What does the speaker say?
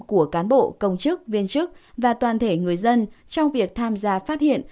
của cán bộ công chức viên chức và toàn thể người dân trong việc tham gia phát hiện